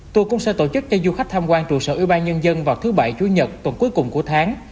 tour cũng sẽ tổ chức cho du khách tham quan trụ sở ubnd vào thứ bảy chủ nhật tuần cuối cùng của tháng